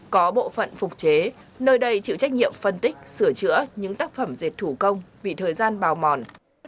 có bộ phận phục chế nơi đây chịu trách nhiệm phân tích sửa chữa những tác phẩm dệt thủ công vì thời gian bào mòn